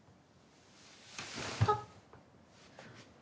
あっ。